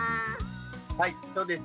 はいそうです。